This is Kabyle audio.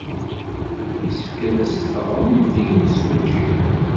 Yessefk ad as-d-teɣremt i yemsujji.